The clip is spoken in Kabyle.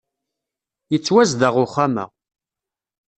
Yettwazdeɣ uxxxam-a.